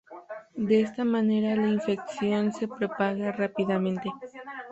De esta manera la infección se propaga rápidamente.